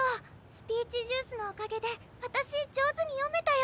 スピーチジュースのおかげであたし上手に読めたよ！